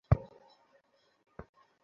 যা, আমি বুঝে নিচ্ছি।